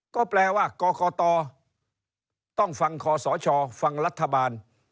ก็แปลว่ากรกตต้องฟังคอสชฟังรัฐบาล